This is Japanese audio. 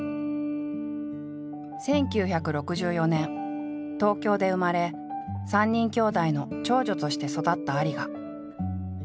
１９６４年東京で生まれ３人きょうだいの長女として育った有賀。